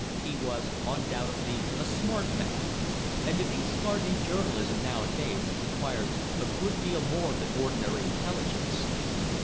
He was undoubtedly "a smart man" and to be smart in journalism nowadays requires a good deal more than ordinary intelligence.